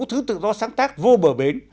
thứ tự do sáng tác vô bờ bến